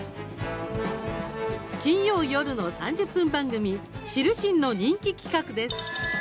金曜夜の３０分番組「知るしん」の人気企画です。